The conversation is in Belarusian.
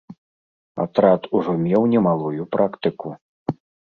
Атрад ужо меў немалую практыку.